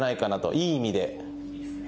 いい意味で。